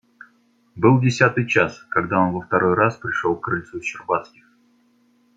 Был десятый час, когда он во второй раз пришел к крыльцу Щербацких.